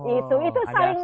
itu saling melindungi